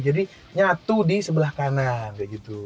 jadi nyatu disebelah kanan kayak gitu